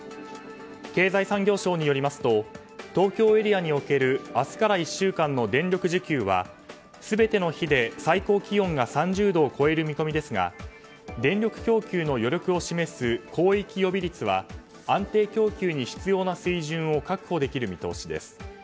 経済産業省によりますと東京エリアにおける明日から１週間の電力需給は全ての日で最高気温が３０度を超える見込みですが電力供給の余力を示す広域予備率は安定供給に必要な水準を確保できる見通しです。